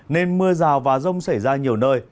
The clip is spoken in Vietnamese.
nên mưa rào và rông xảy ra nhiều nơi